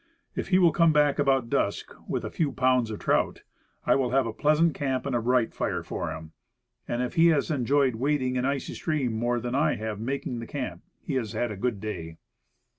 If he will come back about dusk with a few pounds of trout, I will have a pleasant camp and a bright fire for him. And if he has enjoyed wading an icy stream more than I have making the camp he has had a good day.